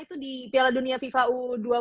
itu di piala dunia fifa u dua puluh